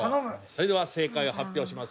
それでは正解を発表します。